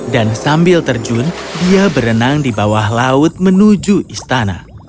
dan sambil terjun dia berenang di bawah laut menuju istana